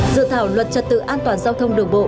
dự thảo luật trật tự an toàn giao thông đường bộ